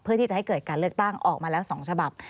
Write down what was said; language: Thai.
เพื่อที่จะให้เกิดการเลือกตั้งออกมาแล้ว๒ฉบับ